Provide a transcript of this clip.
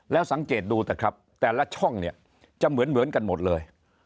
แล้วสังเกตดูนะครับแต่ละช่องเนี่ยจะเหมือนกันหมดเลย